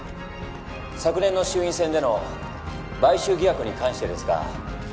昨年の衆院選での買収疑惑に関してですが。